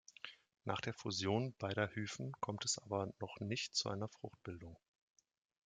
Nach der Fusion beider Hyphen kommt es aber noch nicht zu einer Fruchtbildung.